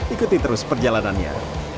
ikuti terus perjalanannya